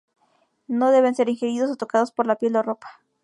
No deben ser ingeridos, o tocados por la piel o la ropa.